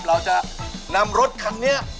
เราจะนำรถคันนี้